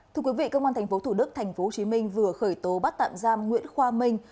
thưa quý vị công an tp thủ đức tp hcm vừa khởi tố bắt tạm giam nguyễn khoa minh